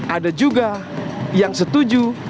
ada juga yang setuju